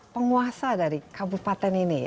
penguasa dari kabupaten ini